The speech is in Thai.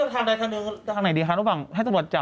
ถ้าเลือกทางไหนทางไหนดีคะระหว่างให้ตำรวจจับ